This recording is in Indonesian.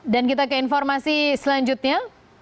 dan kita ke informasi selanjutnya